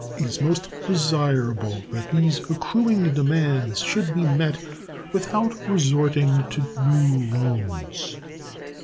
It is most desirable that these accruing demands should be met without resorting to new loans.